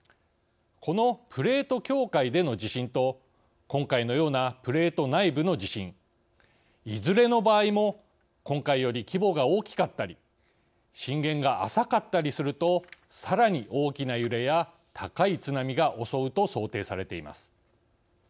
このプレート境界での地震と今回のようなプレート内部の地震いずれの場合も今回より規模が大きかったり震源が浅かったりするとさらに大きな揺れや高い津波が襲うと想定されています。